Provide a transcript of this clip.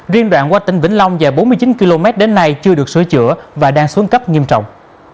riêng đoạn qua tỉnh vĩnh long dài bốn mươi chín km đến nay chưa được sửa chữa và đang xuống cấp nghiêm trọng